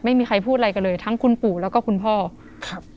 ไม่มีใครพูดอะไรกันเลยทั้งคุณปู่แล้วก็คุณพ่อครับ